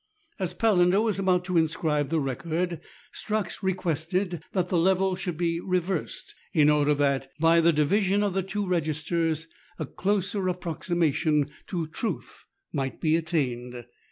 As Palander was about to inscribe the record, Strux requested that the level should be reversed, in order that by the division of the two registers a closer approxima tion to truth might be attained.